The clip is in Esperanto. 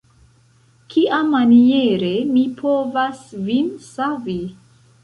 Kiamaniere mi povas vin savi?